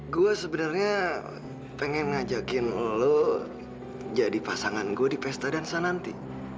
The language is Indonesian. gue sebenarnya pengen ngajakin lo jadi pasangan gue di pesta dansa nanti